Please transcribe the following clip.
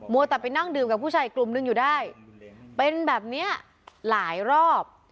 วัวแต่ไปนั่งดื่มกับผู้ชายอีกกลุ่มนึงอยู่ได้เป็นแบบเนี้ยหลายรอบ